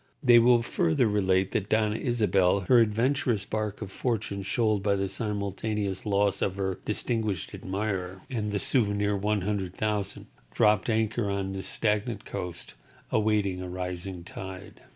They will relate further that Doña Isabel, her adventurous bark of fortune shoaled by the simultaneous loss of her distinguished admirer and the souvenir hundred thousand, dropped anchor on this stagnant coast, awaiting a rising tide.